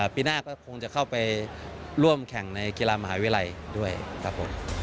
ปีหน้าก็คงจะเข้าไปร่วมแข่งในกีฬามหาวิทยาลัยด้วยครับผม